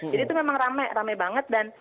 jadi itu memang rame rame banget dan